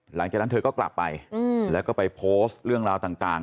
หลังจากนั้นเธอก็กลับไปแล้วก็ไปโพสต์เรื่องราวต่าง